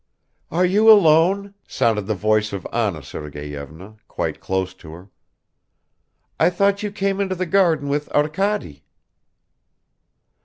"Are you alone?" sounded the voice of Anna Sergeyevna, quite close to her. "I thought you came into the garden with Arkady."